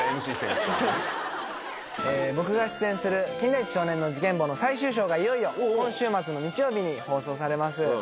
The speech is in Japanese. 僕が出演する『金田一少年の事件簿』最終章がいよいよ今週末の日曜日に放送されます。